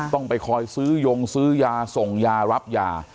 ต้องไปคอยซื้อยงซื้อยาส่งยารับยา